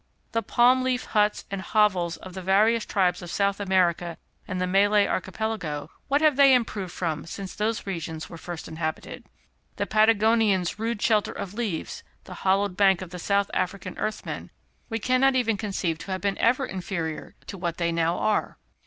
The palm leaf huts and hovels of the various tribes of South America and the Malay Archipelago, what have they improved from since those regions were first inhabited? The Patagonian's rude shelter of leaves, the hollowed bank of the South African Earthmen, we cannot even conceive to have been ever inferior to what they now are.